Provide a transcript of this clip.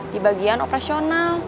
di bagian operasional